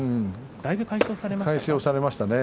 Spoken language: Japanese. だいぶ解消されましたね。